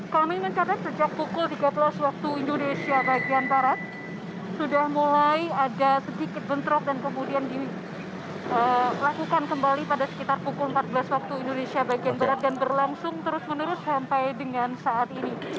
kami mencatat sejak pukul tiga belas waktu indonesia bagian barat sudah mulai ada sedikit bentrok dan kemudian dilakukan kembali pada sekitar pukul empat belas waktu indonesia bagian barat dan berlangsung terus menerus sampai dengan saat ini